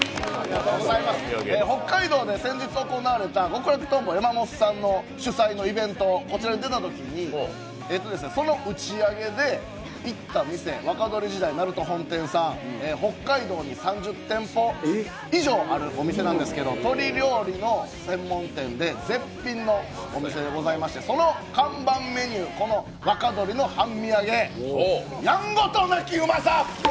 北海道で先日行われた極楽とんぼ山本さん主催のイベント、こちらに出たときに、その打ち上げで行った店、若鶏時代なると本店さん、北海道に３０店舗以上あるお店なんですけど鶏料理の専門店で、絶品のお店でございまして、その看板メニュー、若鶏半身揚げやんごとなきうまさ。